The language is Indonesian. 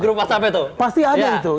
grup whatsappnya tuh